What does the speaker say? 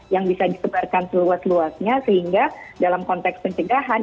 yang bisa disebarkan seluas luasnya sehingga dalam konteks pencegahan